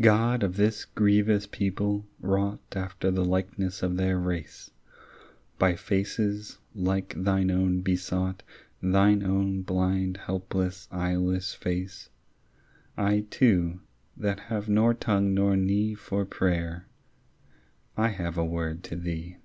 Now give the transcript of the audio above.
God of this grievous people, wrought After the likeness of their race, By faces like thine own besought, Thine own blind helpless eyeless face, I too, that have nor tongue nor knee For prayer, I have a word to thee.